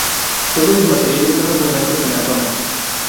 Todos los materiales son abundantes en la zona.